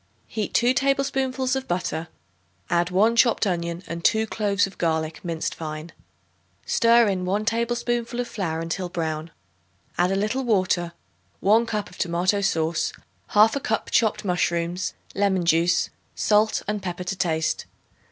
Heat 2 tablespoonfuls of butter. Add 1 chopped onion and 2 cloves of garlic minced fine. Stir in 1 tablespoonful of flour until brown; add a little water, 1 cup of tomato sauce, 1/2 cup chopped mushrooms, lemon juice, salt and pepper to taste.